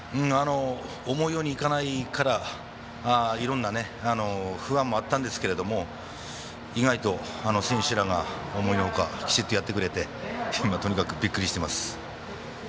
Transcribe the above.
思うようにいかないからいろんな不安もあったんですけど意外と選手らが、思いのほかきちっとやってくれて今、とにかくびっくりしてます。